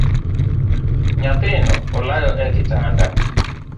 Nyathino olayo e kitanda.